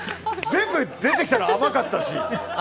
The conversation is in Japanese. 全部出てきたら甘かったし。